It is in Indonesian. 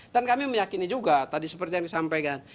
dan kami meyakini juga tadi seperti yang disampaikan